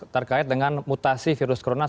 terkait dengan mutasi virus corona